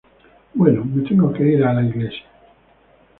Bueno, me tengo que ir a la iglesia..."".